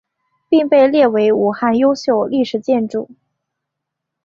并被列为武汉优秀历史建筑。